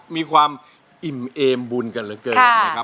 มีความอิ่มเอมบุญกันเหลือเกินนะครับ